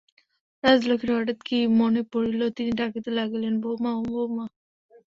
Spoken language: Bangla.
রাজলক্ষ্মীর হঠাৎ কী মনে পড়িল–তিনি ডাকিলেন, বউমা, ও বউমা।